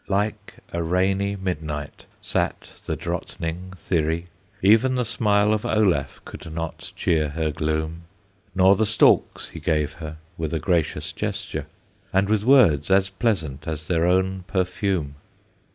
Like a rainy midnight Sat the Drottning Thyri, Even the smile of Olaf Could not cheer her gloom; Nor the stalks he gave her With a gracious gesture, And with words as pleasant As their own perfume.